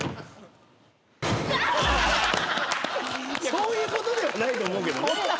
そういうことではないと思うけどね。